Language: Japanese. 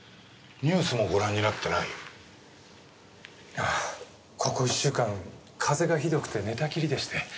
ああここ１週間風邪がひどくて寝たきりでして。